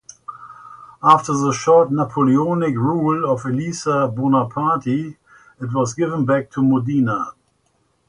After the short Napoleonic rule of Elisa Bonaparte, it was given back to Modena.